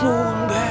kau harus berhenti